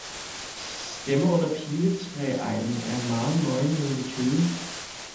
Stemmer under piletræetegnen er meget nøgen nede ved køge